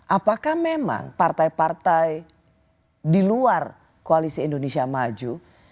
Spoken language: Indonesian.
apakah memang partai partai di luar koalisi indonesia maju